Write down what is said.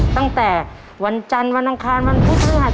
ตั้งแต่วันจันทร์วันต่างคลานวันพฤษฐศาสตร์